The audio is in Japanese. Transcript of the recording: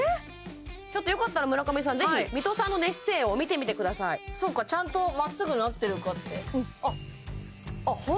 ちょっとよかったら村上さんぜひ三戸さんの寝姿勢を見てみてくださいそうかちゃんとまっすぐなってるかってあっあっ